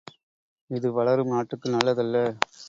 இது வளரும் நாட்டுக்கு நல்ல தல்ல.